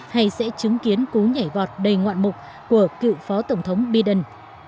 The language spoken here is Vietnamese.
hay sẽ chứng kiến cú nhảy vọt đầy ngoạn mục của cựu phó tổng thống biden